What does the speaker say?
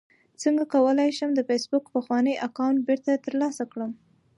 څنګه کولی شم د فېسبوک پخوانی اکاونټ بیرته ترلاسه کړم